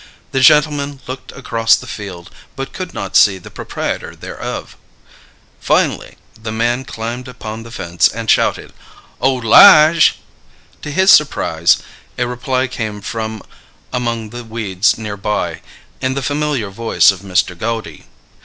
The gentleman looked across the field, but could not see the proprietor thereof. Finally the man climbed upon the fence and shouted: "Oh, 'Lige!" To his surprise, a reply came from among the weeds near by, in the familiar voice of Mr. Goudy.